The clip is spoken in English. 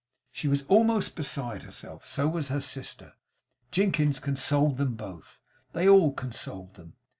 She was almost beside herself. So was her sister. Jinkins consoled them both. They all consoled them.